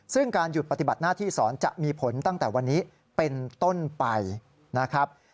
ซึ่งการหยุดปฏิบัติหน้าที่สอนจะมีผลตั้งแต่วันนี้เป็นต้นไปนะครับ